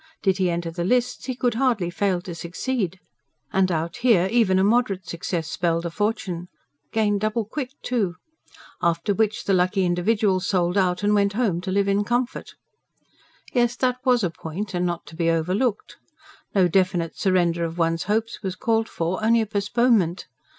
Did he enter the lists, he could hardly fail to succeed. And out here even a moderate success spelled a fortune. Gained double quick, too. After which the lucky individual sold out and went home, to live in comfort. Yes, that was a point, and not to be overlooked. No definite surrender of one's hopes was called for; only a postponement.